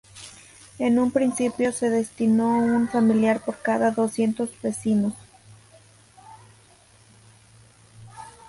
En un principio se destinó un familiar por cada doscientos vecinos.